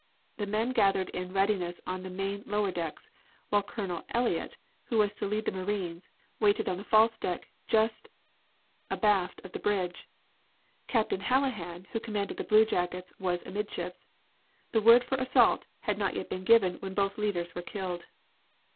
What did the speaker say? The men gathered in readiness on the main lower decks, while Colonel Elliott, who was to lead the marines, waited on the false deck just abaft the bridge. Captain Hallahan, who commanded the bluejackets, was amidships. The word for the assault had not yet been given when both leaders were killed.